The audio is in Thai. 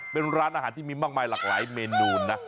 เป็นร้านอาหารที่มีมากมายหลากหลายเมนูนะ